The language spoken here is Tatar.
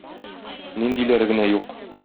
Ниндиләре генә юк!